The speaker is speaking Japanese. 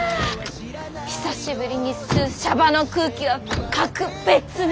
久しぶりに吸うシャバの空気は格別ね！